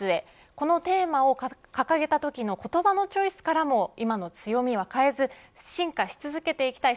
このテーマを掲げたときの言葉のチョイスからも今の強みを変えず進化し続けていきたい